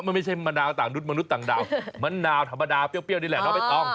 มันไม่ใช่มะนาวต่างดุ๊ดมะนาวต่างดาวมะนาวธรรมดาเปรี้ยวนี่แหละไม่ต้อง